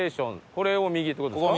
これを右って事ですか？